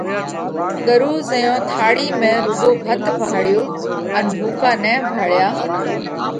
ڳرُو زئيون ٿاۯِي ۾ رُوڳو ڀت ڀاۯيو ان ڀُوڪا نئہ ڀاۯيا